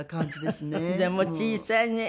でも小さいね。